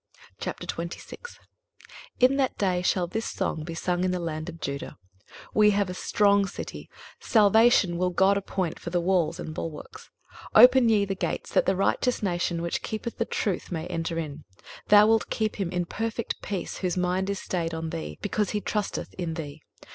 23:026:001 In that day shall this song be sung in the land of Judah; We have a strong city; salvation will God appoint for walls and bulwarks. 23:026:002 Open ye the gates, that the righteous nation which keepeth the truth may enter in. 23:026:003 Thou wilt keep him in perfect peace, whose mind is stayed on thee: because he trusteth in thee.